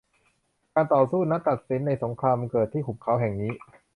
การต่อสู้นัดตัดสินในสงครามเกิดที่หุบเขาแห่งนี้